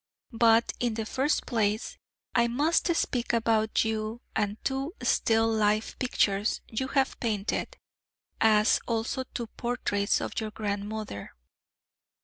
But, in the first place, I must speak about you and two still life pictures you have painted, as also two portraits of your grandmother.